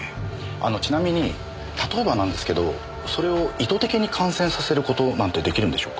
あのちなみに例えばなんですけどそれを意図的に感染させる事なんて出来るんでしょうか？